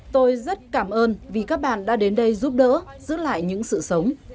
tôi rất cảm ơn vì các bạn đã đến đây giúp đỡ giữ lại những sự sống